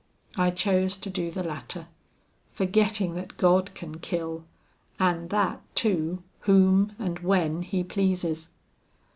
I chose to do the latter, forgetting that God can kill, and that, too, whom and when He pleases.